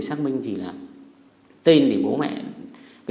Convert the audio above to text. xác minh tên bố mẹ